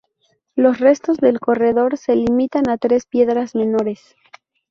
Los restos del corredor se limitan a tres piedras menores.